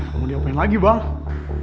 mau diapain lagi bang